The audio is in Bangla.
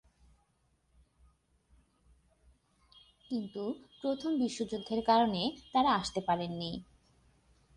কিন্তু প্রথম বিশ্বযুদ্ধের কারণে তারা আসতে পারেননি।